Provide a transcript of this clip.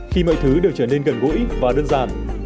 khi mọi thứ đều trở nên gần gũi và đơn giản